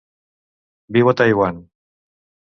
Viu a Taiwan.